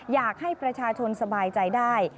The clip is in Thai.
อยากให้ประชาชนสบายใจได้